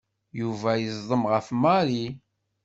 Yuba yeẓdem ɣef Mary.